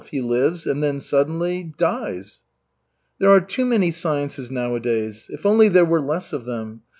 He lives and then suddenly dies." "There are too many sciences nowadays if only there were less of them.